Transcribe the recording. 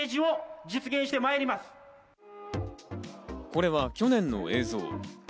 これは去年の映像。